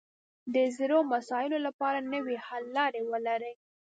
د زړو مسایلو لپاره نوې حل لارې ولري